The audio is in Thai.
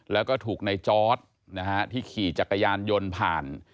แล้วก็ถูกในจอร์ดนะฮะที่ขี่จักรยานยนต์ผ่าน